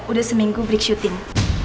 udah seminggu break syuting